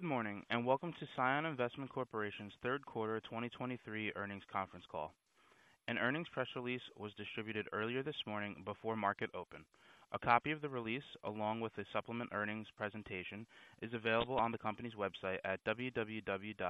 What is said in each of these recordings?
Good morning, and welcome to CION Investment Corporation's Q3 2023 earnings conference call. An earnings press release was distributed earlier this morning before market open. A copy of the release, along with the supplemental earnings presentation, is available on the company's website at www.cionbdc.com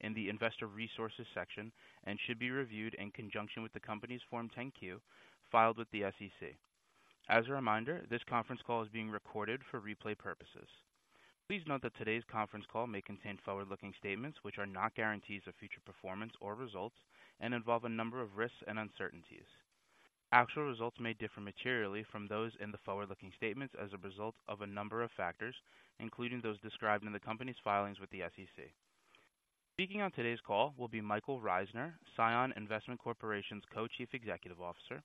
in the Investor Resources section, and should be reviewed in conjunction with the company's Form 10-Q filed with the SEC. As a reminder, this conference call is being recorded for replay purposes. Please note that today's conference call may contain forward-looking statements, which are not guarantees of future performance or results and involve a number of risks and uncertainties. Actual results may differ materially from those in the forward-looking statements as a result of a number of factors, including those described in the company's filings with the SEC. Speaking on today's call will be Michael Reisner, CION Investment Corporation's Co-Chief Executive Officer,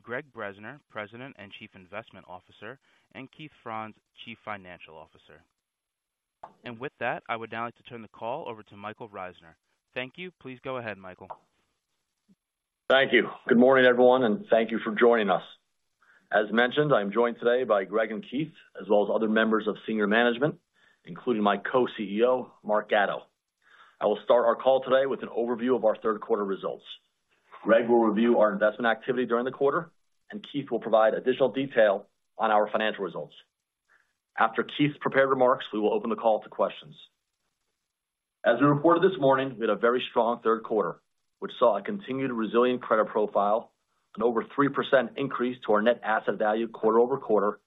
Gregg Bresner, President and Chief Investment Officer, and Keith Franz, Chief Financial Officer. With that, I would now like to turn the call over to Michael Reisner. Thank you. Please go ahead, Michael. Thank you. Good morning, everyone, and thank you for joining us. As mentioned, I'm joined today by Gregg and Keith, as well as other members of senior management, including my co-CEO, Mark Gatto. I will start our call today with an overview of our Q3 results. Gregg will review our investment activity during the quarter, and Keith will provide additional detail on our financial results. After Keith's prepared remarks, we will open the call to questions. As we reported this morning, we had a very strong Q3, which saw a continued resilient credit profile, an over 3% increase to our net asset value quarter-over-quarter,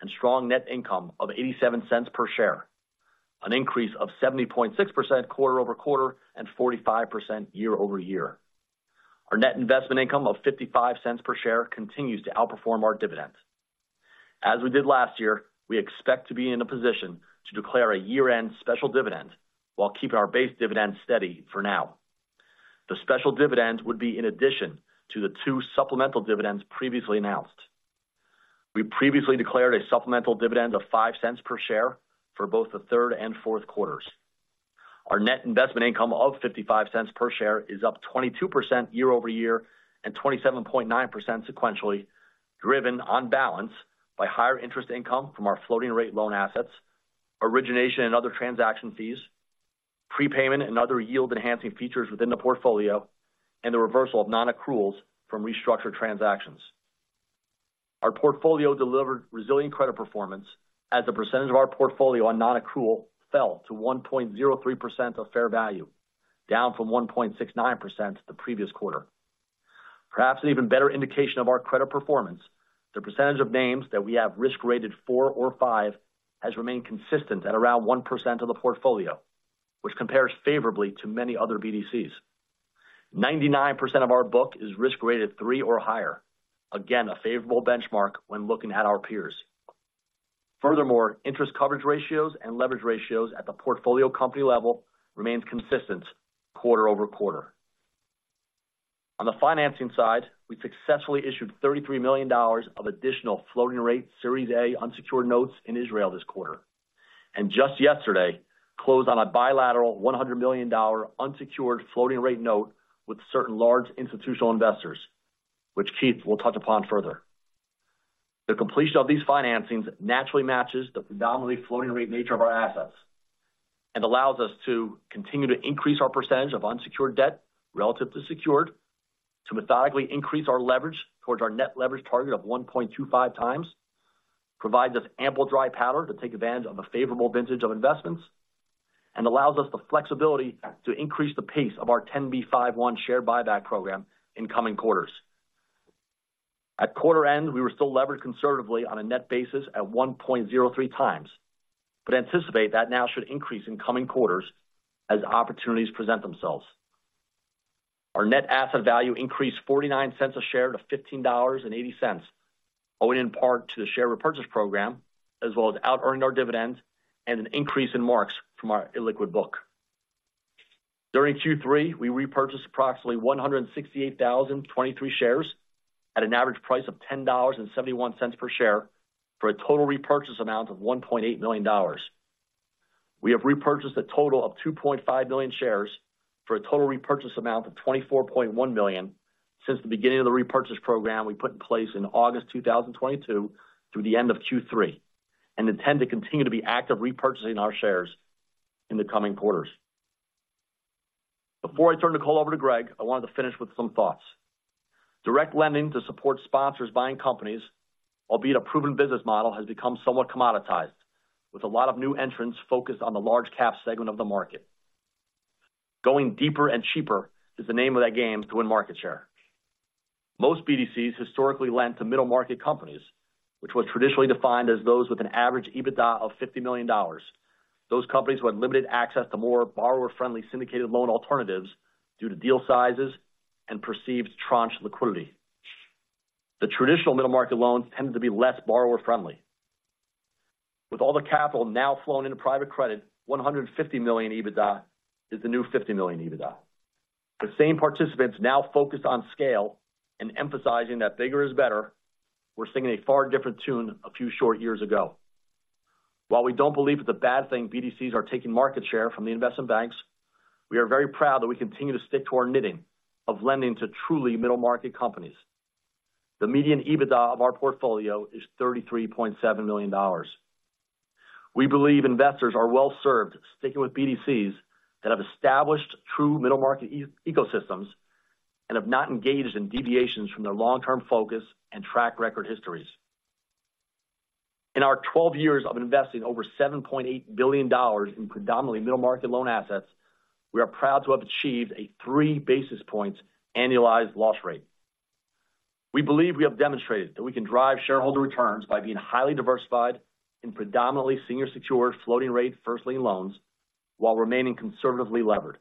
and strong net income of $0.87 per share, an increase of 70.6% quarter-over-quarter and 45% year-over-year. Our net investment income of $0.55 per share continues to outperform our dividends. As we did last year, we expect to be in a position to declare a year-end special dividend while keeping our base dividend steady for now. The special dividend would be in addition to the two supplemental dividends previously announced. We previously declared a supplemental dividend of $0.05 per share for both the third and Q4. Our net investment income of $0.55 per share is up 22% year-over-year and 27.9 sequentially, driven on balance by higher interest income from our floating rate loan assets, origination and other transaction fees, prepayment and other yield-enhancing features within the portfolio, and the reversal of non-accruals from restructured transactions. Our portfolio delivered resilient credit performance as a percentage of our portfolio on non-accrual fell to 1.03% of fair value, down from 1.69% the previous quarter. Perhaps an even better indication of our credit performance, the percentage of names that we have risk rated 4 or 5 has remained consistent at around 1% of the portfolio, which compares favorably to many other BDCs. 99% of our book is risk rated 3 or higher. Again, a favorable benchmark when looking at our peers. Furthermore, interest coverage ratios and leverage ratios at the portfolio company level remains consistent quarter over quarter. On the financing side, we successfully issued $33 million of additional floating rate Series A unsecured notes in Israel this quarter, and just yesterday closed on a bilateral $100 million unsecured floating rate note with certain large institutional investors, which Keith will touch upon further. The completion of these financings naturally matches the predominantly floating rate nature of our assets and allows us to continue to increase our percentage of unsecured debt relative to secured, to methodically increase our leverage towards our net leverage target of 1.25 times, provides us ample dry powder to take advantage of a favorable vintage of investments, and allows us the flexibility to increase the pace of our 10b5-1 share buyback program in coming quarters. At quarter end, we were still leveraged conservatively on a net basis at 1.03 times, but anticipate that now should increase in coming quarters as opportunities present themselves. Our net asset value increased $0.49 a share to $15.80, owing in part to the share repurchase program, as well as outearning our dividends and an increase in marks from our illiquid book. During Q3, we repurchased approximately 168,023 shares at an average price of $10.71 per share, for a total repurchase amount of $1.8 million. We have repurchased a total of 2.5 million shares for a total repurchase amount of $24.1 million since the beginning of the repurchase program we put in place in August 2022 through the end of Q3, and intend to continue to be active repurchasing our shares in the coming quarters. Before I turn the call over to Gregg, I wanted to finish with some thoughts. Direct lending to support sponsors buying companies, albeit a proven business model, has become somewhat commoditized, with a lot of new entrants focused on the large cap segment of the market. Going deeper and cheaper is the name of that game to win market share. Most BDCs historically lent to middle market companies, which was traditionally defined as those with an average EBITDA of $50 million. Those companies who had limited access to more borrower-friendly syndicated loan alternatives due to deal sizes and perceived tranche liquidity. The traditional middle market loans tended to be less borrower-friendly. With all the capital now flowing into private credit, $150 million EBITDA is the new $50 million EBITDA. The same participants now focused on scale and emphasizing that bigger is better. We're singing a far different tune a few short years ago. While we don't believe it's a bad thing, BDCs are taking market share from the investment banks, we are very proud that we continue to stick to our knitting of lending to truly middle market companies.... The median EBITDA of our portfolio is $33.7 million. We believe investors are well-served sticking with BDCs that have established true middle-market ecosystems and have not engaged in deviations from their long-term focus and track record histories. In our 12 years of investing over $7.8 billion in predominantly middle-market loan assets, we are proud to have achieved a 3 basis points annualized loss rate. We believe we have demonstrated that we can drive shareholder returns by being highly diversified in predominantly senior secured floating rate first lien loans, while remaining conservatively levered.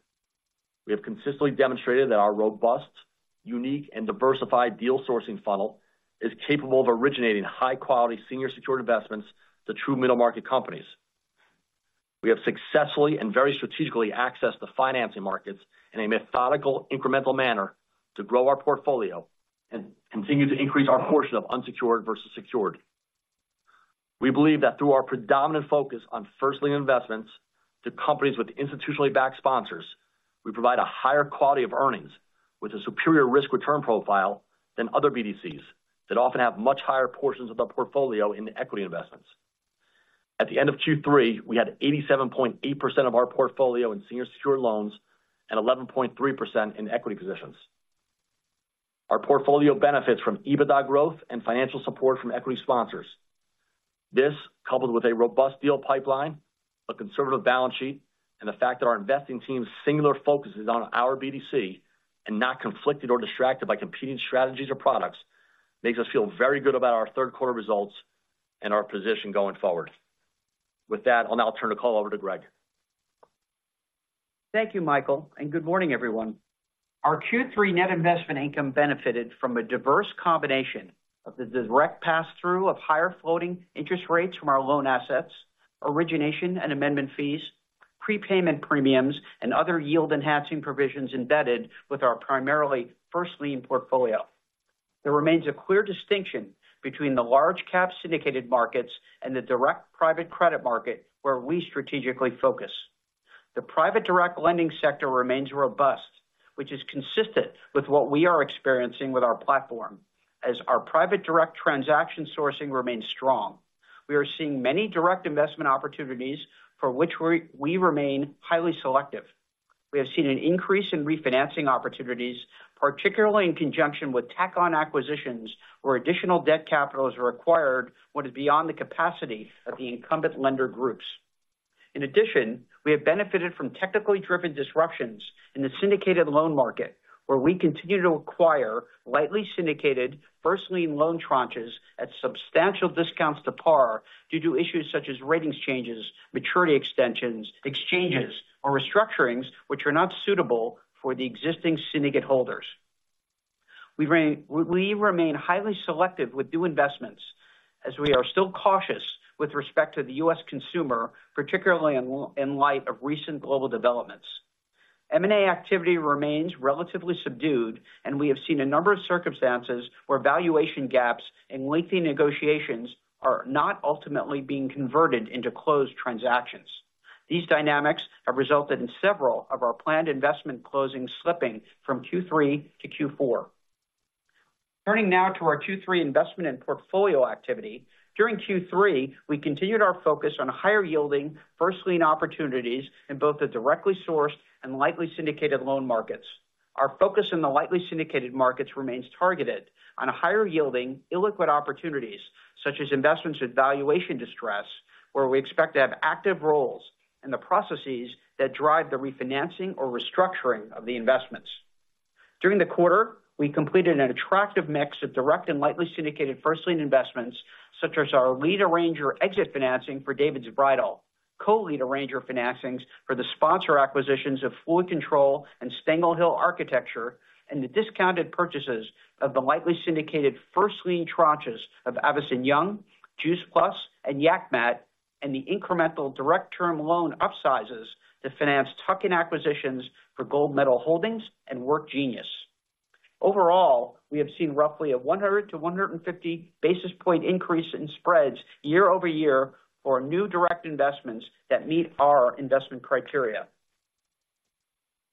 We have consistently demonstrated that our robust, unique, and diversified deal sourcing funnel is capable of originating high-quality senior secured investments to true middle-market companies. We have successfully and very strategically accessed the financing markets in a methodical, incremental manner to grow our portfolio and continue to increase our portion of unsecured versus secured. We believe that through our predominant focus on first lien investments to companies with institutionally backed sponsors, we provide a higher quality of earnings with a superior risk-return profile than other BDCs that often have much higher portions of their portfolio in equity investments. At the end of Q3, we had 87.8% of our portfolio in senior secured loans and 11.3% in equity positions. Our portfolio benefits from EBITDA growth and financial support from equity sponsors. This, coupled with a robust deal pipeline, a conservative balance sheet, and the fact that our investing team's singular focus is on our BDC and not conflicted or distracted by competing strategies or products, makes us feel very good about our Q3 results and our position going forward. With that, I'll now turn the call over to Gregg. Thank you, Michael, and good morning, everyone. Our Q3 net investment income benefited from a diverse combination of the direct pass-through of higher floating interest rates from our loan assets, origination and amendment fees, prepayment premiums, and other yield-enhancing provisions embedded with our primarily first lien portfolio. There remains a clear distinction between the large cap syndicated markets and the direct private credit market where we strategically focus. The private direct lending sector remains robust, which is consistent with what we are experiencing with our platform, as our private direct transaction sourcing remains strong. We are seeing many direct investment opportunities for which we remain highly selective. We have seen an increase in refinancing opportunities, particularly in conjunction with tack-on acquisitions, where additional debt capital is required when it's beyond the capacity of the incumbent lender groups. In addition, we have benefited from technically driven disruptions in the syndicated loan market, where we continue to acquire lightly syndicated first lien loan tranches at substantial discounts to par due to issues such as ratings changes, maturity extensions, exchanges, or restructurings, which are not suitable for the existing syndicate holders. We remain highly selective with new investments as we are still cautious with respect to the US consumer, particularly in light of recent global developments. M&A activity remains relatively subdued, and we have seen a number of circumstances where valuation gaps and lengthy negotiations are not ultimately being converted into closed transactions. These dynamics have resulted in several of our planned investment closings slipping from Q3 to Q4. Turning now to our Q3 investment and portfolio activity. During Q3, we continued our focus on higher yielding first lien opportunities in both the directly sourced and lightly syndicated loan markets. Our focus in the lightly syndicated markets remains targeted on higher yielding, illiquid opportunities, such as investments with valuation distress, where we expect to have active roles in the processes that drive the refinancing or restructuring of the investments. During the quarter, we completed an attractive mix of direct and lightly syndicated first lien investments, such as our lead arranger exit financing for David's Bridal, co-lead arranger financings for the sponsor acquisitions of Fluid Control and Stengel Hill Architecture, and the discounted purchases of the lightly syndicated first lien tranches of Avison Young, Juice Plus, and Yak Mat, and the incremental direct term loan upsizes to finance tuck-in acquisitions for Gold Medal Holdings and WorkGenius. Overall, we have seen roughly a 100-150 basis point increase in spreads year-over-year for new direct investments that meet our investment criteria.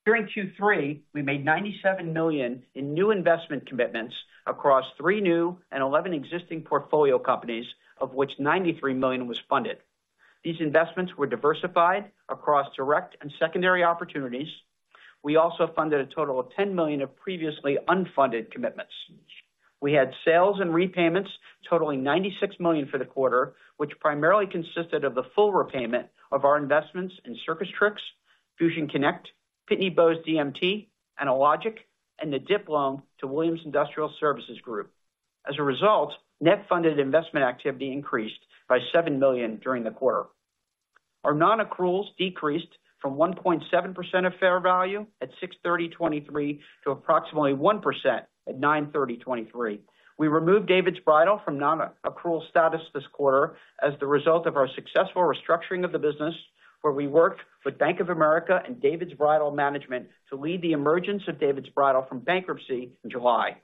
During Q3, we made $97 million in new investment commitments across 3 new and 11 existing portfolio companies, of which $93 million was funded. These investments were diversified across direct and secondary opportunities. We also funded a total of $10 million of previously unfunded commitments. We had sales and repayments totaling $96 million for the quarter, which primarily consisted of the full repayment of our investments in CircusTrix, Fusion Connect, Pitney Bowes DMT, Analogic, and the DIP loan to Williams Industrial Services Group. As a result, net funded investment activity increased by $7 million during the quarter. Our non-accruals decreased from 1.7% of fair value at 6/30/2023 to approximately 1% at 9/30/2023. We removed David's Bridal from non-accrual status this quarter as the result of our successful restructuring of the business, where we worked with Bank of America and David's Bridal management to lead the emergence of David's Bridal from bankruptcy in July.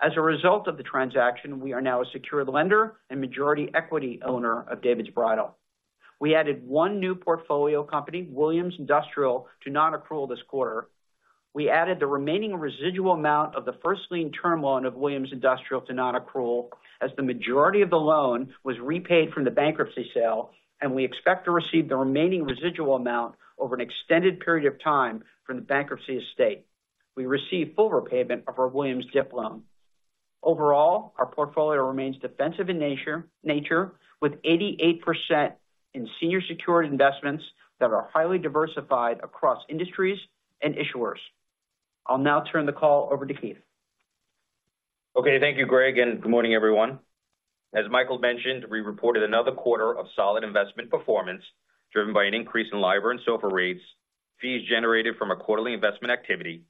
As a result of the transaction, we are now a secured lender and majority equity owner of David's Bridal. We added one new portfolio company, Williams Industrial, to non-accrual this quarter. We added the remaining residual amount of the first lien term loan of Williams Industrial to non-accrual, as the majority of the loan was repaid from the bankruptcy sale, and we expect to receive the remaining residual amount over an extended period of time from the bankruptcy estate. We received full repayment of our Williams DIP loan. Overall, our portfolio remains defensive in nature with 88% in senior secured investments that are highly diversified across industries and issuers. I'll now turn the call over to Keith. Okay. Thank you, Gregg, and good morning, everyone. As Michael mentioned, we reported another quarter of solid investment performance, driven by an increase in LIBOR and SOFR rates, fees generated from our quarterly investment activity,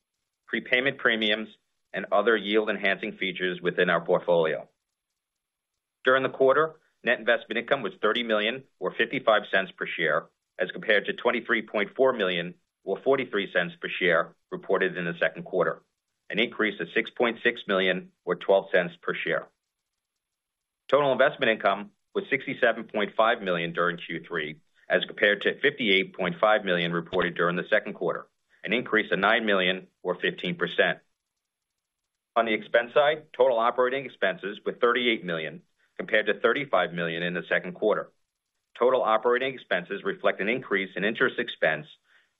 prepayment premiums, and other yield-enhancing features within our portfolio. During the quarter, net investment income was $30 million, or $0.55 per share, as compared to $23.4 million, or $0.43 per share, reported in the Q2, an increase of $6.6 million, or $0.12 per share. Total investment income was $67.5 million during Q3, as compared to $58.5 million reported during the Q2, an increase of $9 million or 15%. On the expense side, total operating expenses were $38 million, compared to $35 million in the Q2. Total operating expenses reflect an increase in interest expense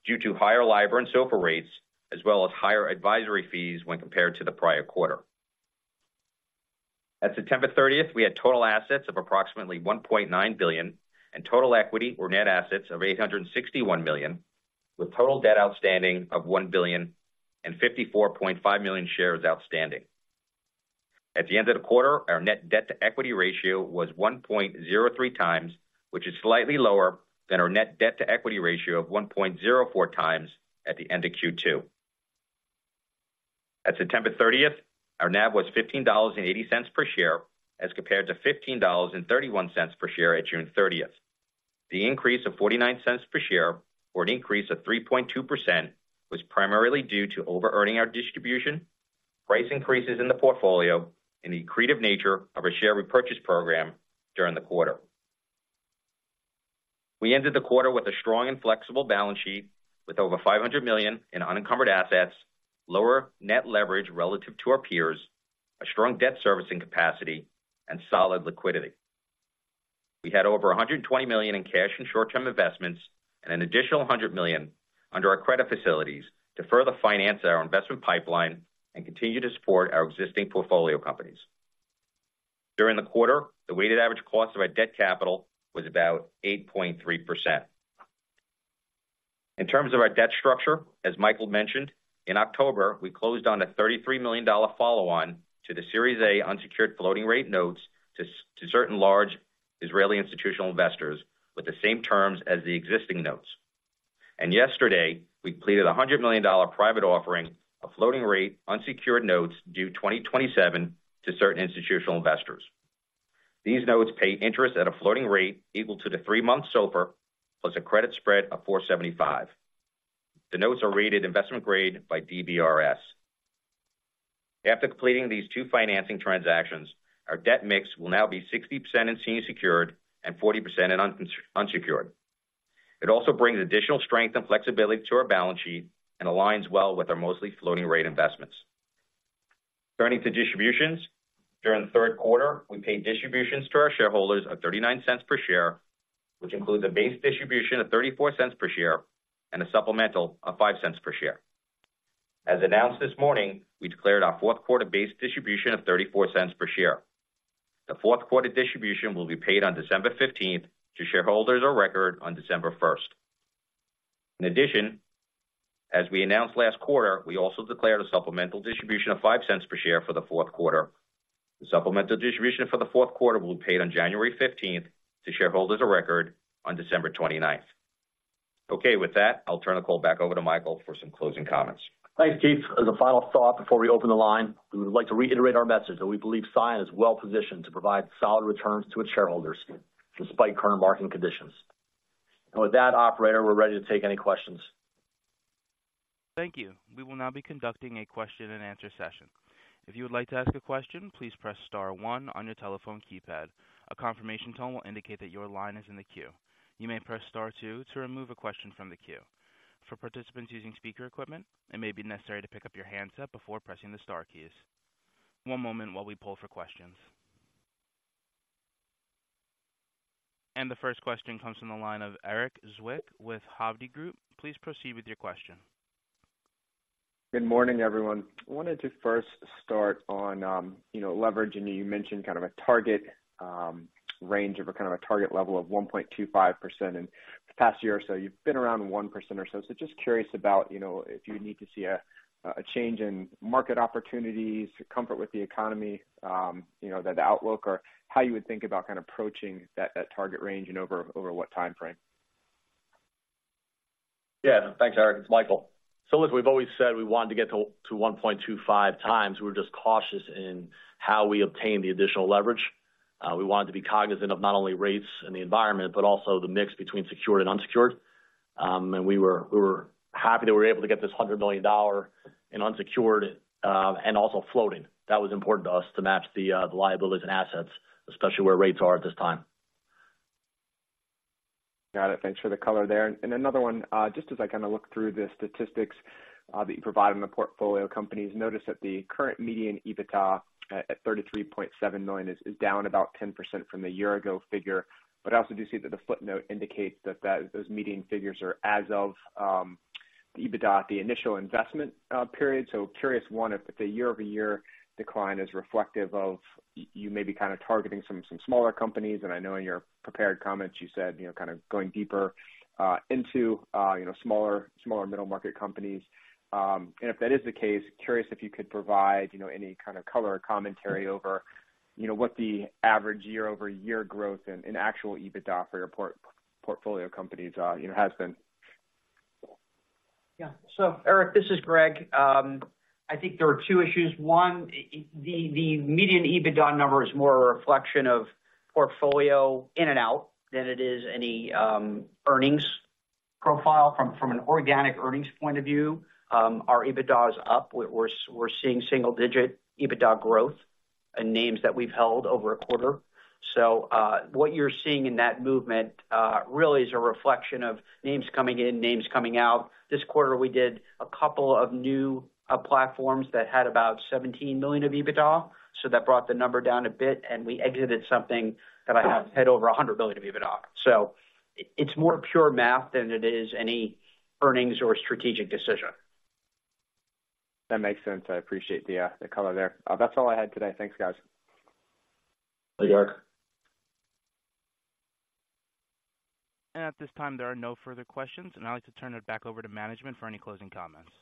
due to higher LIBOR and SOFR rates, as well as higher advisory fees when compared to the prior quarter. At September thirtieth, we had total assets of approximately $1.9 billion and total equity or net assets of $861 million, with total debt outstanding of $1 billion and 54.5 million shares outstanding. At the end of the quarter, our net debt-to-equity ratio was 1.03 times, which is slightly lower than our net debt-to-equity ratio of 1.04 times at the end of Q2. At September thirtieth, our NAV was $15.80 per share, as compared to $15.31 per share at June thirtieth. The increase of $0.49 per share, or an increase of 3.2%, was primarily due to overearning our distribution, price increases in the portfolio, and the accretive nature of our share repurchase program during the quarter. We ended the quarter with a strong and flexible balance sheet, with over $500 million in unencumbered assets, lower net leverage relative to our peers, a strong debt servicing capacity, and solid liquidity. We had over $120 million in cash and short-term investments and an additional $100 million under our credit facilities to further finance our investment pipeline and continue to support our existing portfolio companies. During the quarter, the weighted average cost of our debt capital was about 8.3%. In terms of our debt structure, as Michael mentioned, in October, we closed on a $33 million follow-on to the Series A unsecured floating rate notes to certain large Israeli institutional investors with the same terms as the existing notes. Yesterday, we completed a $100 million private offering of floating rate unsecured notes due 2027 to certain institutional investors. These notes pay interest at a floating rate equal to the 3-month SOFR, plus a credit spread of 475. The notes are rated investment grade by DBRS. After completing these two financing transactions, our debt mix will now be 60% in senior secured and 40% in unsecured. It also brings additional strength and flexibility to our balance sheet and aligns well with our mostly floating rate investments. Turning to distributions. During the Q3, we paid distributions to our shareholders of $0.39 per share, which includes a base distribution of $0.34 per share and a supplemental of $0.05 per share. As announced this morning, we declared our Q4 base distribution of $0.34 per share. The Q4 distribution will be paid on December fifteenth to shareholders of record on December first. In addition, as we announced last quarter, we also declared a supplemental distribution of $0.05 per share for the Q4. The supplemental distribution for the Q4 will be paid on January fifteenth to shareholders of record on December twenty-ninth. Okay. With that, I'll turn the call back over to Michael for some closing comments. Thanks, Keith. As a final thought, before we open the line, we would like to reiterate our message that we believe CION is well positioned to provide solid returns to its shareholders despite current market conditions. And with that, operator, we're ready to take any questions. Thank you. We will now be conducting a question-and-answer session. If you would like to ask a question, please press star one on your telephone keypad. A confirmation tone will indicate that your line is in the queue. You may press star two to remove a question from the queue. For participants using speaker equipment, it may be necessary to pick up your handset before pressing the star keys. One moment while we pull for questions. The first question comes from the line of Erik Zwick with Hovde Group. Please proceed with your question. Good morning, everyone. I wanted to first start on, you know, leverage. And you mentioned kind of a target range of a kind of a target level of 1.25%. In the past year or so, you've been around 1% or so. So just curious about, you know, if you need to see a change in market opportunities, comfort with the economy, you know, the outlook, or how you would think about kind of approaching that target range and over what timeframe? Yeah. Thanks, Eric. It's Michael. So listen, we've always said we wanted to get to 1.25 times. We're just cautious in how we obtain the additional leverage. We wanted to be cognizant of not only rates and the environment, but also the mix between secured and unsecured.... and we were happy that we were able to get this $100 million in unsecured and also floating. That was important to us to match the liabilities and assets, especially where rates are at this time. Got it. Thanks for the color there. And another one, just as I kind of look through the statistics that you provide on the portfolio companies, notice that the current median EBITDA at $33.7 million is down about 10% from the year-ago figure. But I also do see that the footnote indicates that those median figures are as of the EBITDA, the initial investment period. So curious, one, if the year-over-year decline is reflective of you may be kind of targeting some smaller companies, and I know in your prepared comments you said, you know, kind of going deeper into, you know, smaller middle market companies. And if that is the case, curious if you could provide, you know, any kind of color or commentary over, you know, what the average year-over-year growth in actual EBITDA for your portfolio companies has been? Yeah. So, Eric, this is Gregg. I think there are two issues. One, the median EBITDA number is more a reflection of portfolio in and out than it is any earnings profile. From an organic earnings point of view, our EBITDA is up. We're seeing single digit EBITDA growth in names that we've held over a quarter. So, what you're seeing in that movement really is a reflection of names coming in, names coming out. This quarter, we did a couple of new platforms that had about $17 million of EBITDA, so that brought the number down a bit, and we exited something that I have had over $100 million of EBITDA. So it's more pure math than it is any earnings or strategic decision. That makes sense. I appreciate the color there. That's all I had today. Thanks, guys. Thank you, Eric. At this time, there are no further questions, and I'd like to turn it back over to management for any closing comments.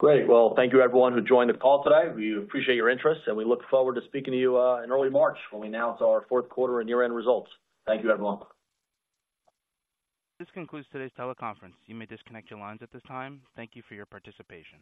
Great. Well, thank you everyone who joined the call today. We appreciate your interest, and we look forward to speaking to you in early March, when we announce our Q4 and year-end results. Thank you, everyone. This concludes today's teleconference. You may disconnect your lines at this time. Thank you for your participation.